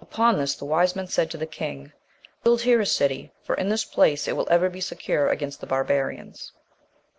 Upon this, the wise men said to the king, "Build here a city: for, in this place, it will ever be secure against the barbarians."